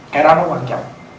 cái đó nó quan trọng